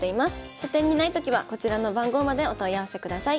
書店にないときはこちらの番号までお問い合わせください。